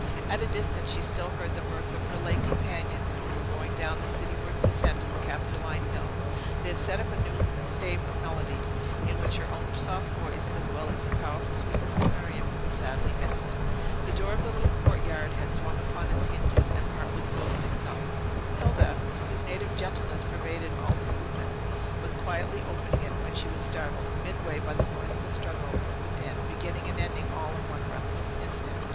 At a distance, she still heard the mirth of her late companions, who were going down the cityward descent of the Capitoline Hill; they had set up a new stave of melody, in which her own soft voice, as well as the powerful sweetness of Miriam's, was sadly missed. The door of the little courtyard had swung upon its hinges, and partly closed itself. Hilda (whose native gentleness pervaded all her movements) was quietly opening it, when she was startled, midway, by the noise of a struggle within, beginning and ending all in one breathless instant.